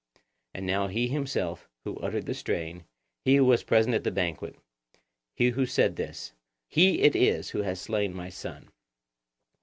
And now he himself who uttered the strain, he who was present at the banquet, and who said this—he it is who has slain my son.